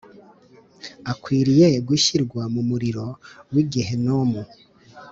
akwiriye gushyirwa mu muriro w’i Gehinomu